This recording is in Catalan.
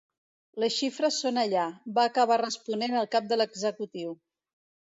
Les xifres són allà, va acabar responent el cap de l’executiu.